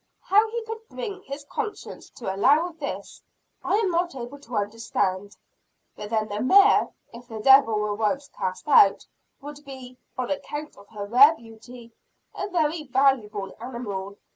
How he could bring his conscience to allow of this, I am not able to understand. But then the mare, if the devil were once cast out, would be, on account of her rare beauty, a very valuable animal.